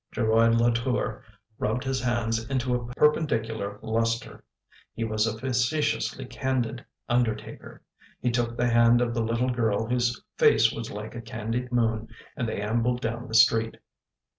Geroid Latour rubbed his hands into a perpendicular lustre — he was a facetiously candid undertaker. He took the hand of the little girl whose face was like a candied moon and they ambled down the street.